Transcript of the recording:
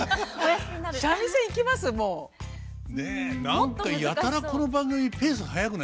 何かやたらこの番組ペース速くないですか？